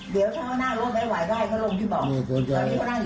เดี๋ยวเท่าหน้ารถไม่ไหวได้ก็ลงที่บอกไม่กลค่ะ